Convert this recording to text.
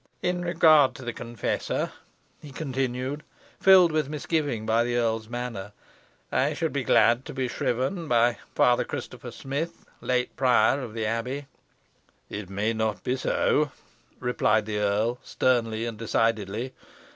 But in regard to the confessor," he continued, filled with misgiving by the earl's manner, "I should be glad to be shriven by Father Christopher Smith, late prior of the abbey." "It may not be," replied the earl, sternly and decidedly.